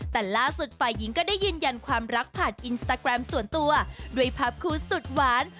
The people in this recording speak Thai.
แต่ล่าสุดฝ่ายหญิงก็ได้ยืนยันความรักผ่านอินสตาแกรมส่วนตัวด้วยภาพคู่สุดหวาน